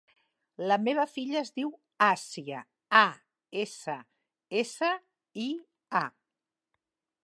La meva filla es diu Assia: a, essa, essa, i, a.